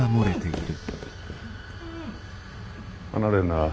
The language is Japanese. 離れるな。